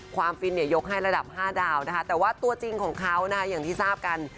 ฟินเนี่ยยกให้ระดับ๕ดาวนะคะแต่ว่าตัวจริงของเขานะคะอย่างที่ทราบกัน